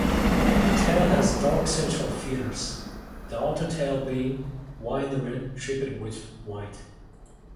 The tail has dark central feathers, the outer tail being wine-red tipped with white.